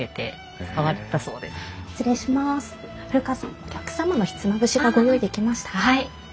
お客様のひつまぶしがご用意できました。